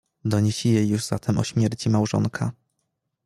"Donieśli jej już zatem o śmierci małżonka."